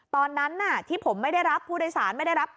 ตอนนั้นที่ผมไม่ได้รับผู้โดยสารไม่ได้รับ